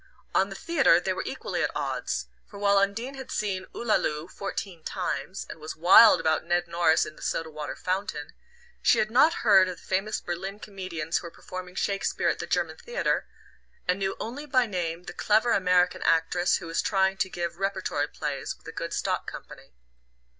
On the theatre they were equally at odds, for while Undine had seen "Oolaloo" fourteen times, and was "wild" about Ned Norris in "The Soda Water Fountain," she had not heard of the famous Berlin comedians who were performing Shakespeare at the German Theatre, and knew only by name the clever American actress who was trying to give "repertory" plays with a good stock company.